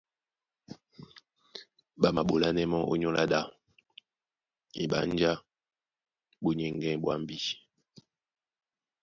Ɓá maɓolánɛ́ mɔ́ ónyólá ɗā, eɓánjá ɓó nyɛŋgɛ̂ny ɓwambí.